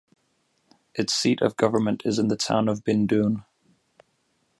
Its seat of government is the town of Bindoon.